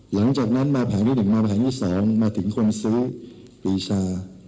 หลังจากนั้นมาแผงที่๑มามาแผงที่๒มาถึงคนซื้อปีชา